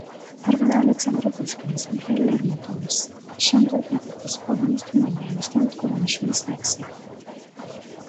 თარგმნა ალექსანდრე პუშკინის, მიხეილ ლერმონტოვის, შანდორ პეტეფის, ჰოვანეს თუმანიანის, დავით გურამიშვილის ლექსები.